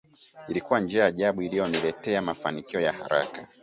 Ilikuwa njia ya ajabu iliyoniletea mafanikio ya haraka